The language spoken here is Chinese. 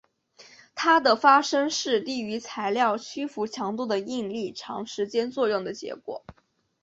它的发生是低于材料屈服强度的应力长时间作用的结果。